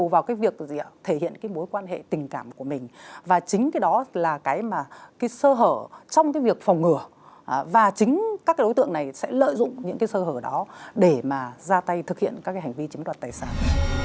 và chính cái đó là cái sơ hở trong việc phòng ngừa và chính các đối tượng này sẽ lợi dụng những sơ hở đó để ra tay thực hiện các hành vi chiếm đoạt tài sản